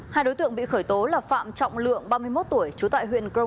hai đối tượng bị khởi tố là phạm trọng lượng ba mươi một tuổi trú tại huyện crong